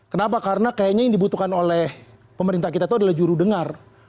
kenapa karena kayaknya yang dibutuhkan oleh pemerintah kita itu adalah jurudengar